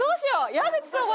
矢口さんが！